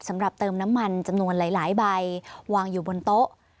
สำหรับเติมน้ำมันจำนวนหลายใบวางอยู่บนโต๊ะ